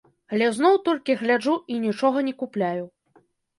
Але зноў толькі гляджу і нічога не купляю.